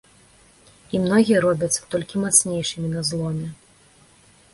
І многія робяцца толькі мацнейшымі на зломе.